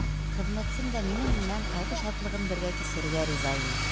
Хеҙмәтсем дә минең менән ҡайғы-шатлығын бергә кисерергә риза ине.